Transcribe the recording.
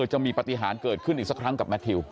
จะมีปฏิหารเกิดขึ้นอีกสักครั้งกับแมททิว